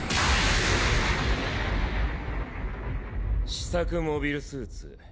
試作モビルスーツ